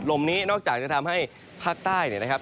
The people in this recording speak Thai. ลมนี้นอกจากจะทำให้ภาคใต้เนี่ยนะครับ